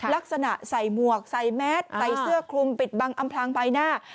ลักษณะใส่หมวกใส่แมสใส่เสื้อคลุมปิดบังอำพลางใบหน้า